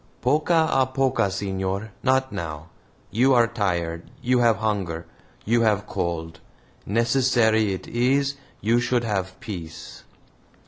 "POCO A POCO, senor not now. You are tired, you have hunger, you have cold. Necessary it is you should have peace."